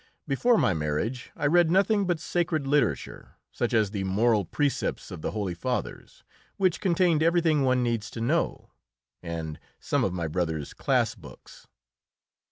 Before my marriage I read nothing but sacred literature, such as the moral precepts of the Holy Fathers, which contained everything one needs to know, and some of my brother's class books.